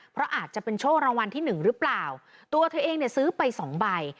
เพราะอาจจะเป็นโชครางวัลที่หนึ่งหรือเปล่าตัวเธอเองเนี่ยซื้อไปสองใบ